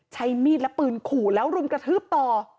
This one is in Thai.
ใช้มีดและปืนขู่แล้วรุมกระทืบต่อ